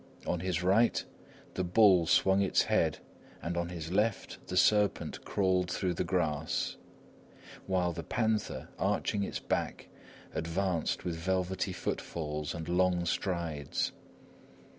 On his right, the bull swung its head and on his left the serpent crawled through the grass; while the panther, arching its back, advanced with velvety footfalls and long strides.